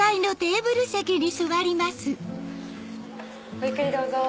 ごゆっくりどうぞ。